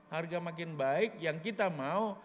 harga makin baik yang kita mau